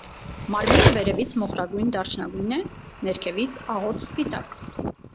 Մարմինը վերևից մոխրագույն դարչնագույն է, ներքևից՝ աղոտ սպիտակ։